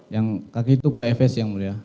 yang kaki itu pfs yang mulia